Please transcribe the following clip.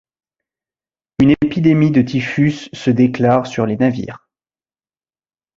Une épidémie de typhus se déclare sur les navires.